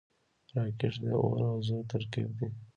راکټ د اور او زور ترکیب دی